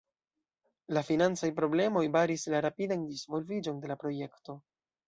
La financaj problemoj baris la rapidan disvolviĝon de la projekto.